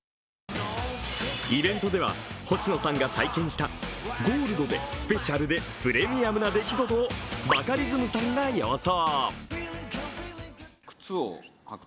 イベントでは星野さんが体験したゴールドでスペシャルでプレミアムな出来事をバカリズムさんが予想。